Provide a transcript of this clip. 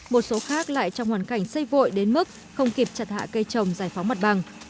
một số khác lại trong hoàn cảnh xây vội đến mức không kịp chặt hạ cây trồng giải phóng mặt bằng